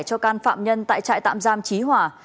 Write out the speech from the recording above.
cho can phạm nhân tại trại tạm giam chí hòa